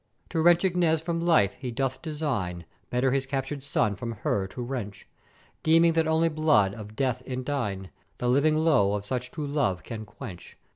"To wrench Ignèz from life he doth design, better his captured son from her to wrench; deeming that only blood of death indign the living lowe of such true Love can quench.